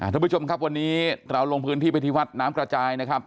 ทุกผู้ชมครับวันนี้เราลงพื้นที่ไปที่วัดน้ำกระจายนะครับ